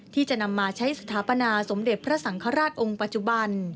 ที่จะนำมาใช้สถาปนาสมเด็จพระสังฆราชองค์ปัจจุบัน